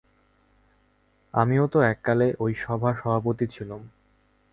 আমিও তো এক কালে ঐ সভার সভাপতি ছিলুম!